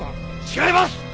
違います！